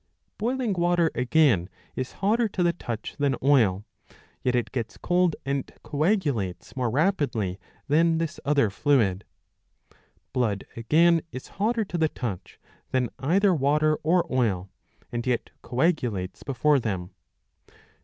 Boiling water again is hotter to the touch than oil ; yet it gets cold and coagulates more rapidly than this other fluid.'^ Blood again is hotter to the touch than either water or oil, and yet coagulates before them.